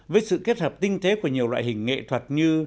với sự kết hợp tinh tế của nhiều loại hình nghệ thuật như